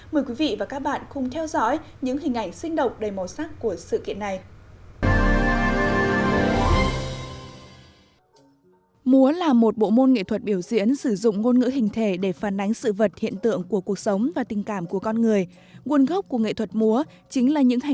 mời quý vị và các bạn cùng theo dõi những hình ảnh sinh động đầy màu sắc của sự kiện này